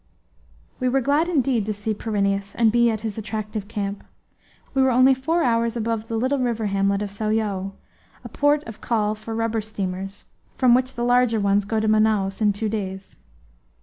We were glad indeed to see Pyrineus and be at his attractive camp. We were only four hours above the little river hamlet of Sao Joao, a port of call for rubber steamers, from which the larger ones go to Manaos in two days.